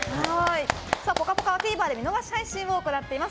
「ぽかぽか」はＴＶｅｒで見逃し配信を行っております。